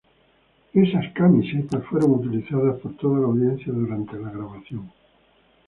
Esas camisetas fueron utilizadas por toda la audiencia durante la grabación.